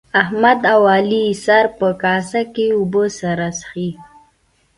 احمد او علي د سر په کاسه کې اوبه سره څښي.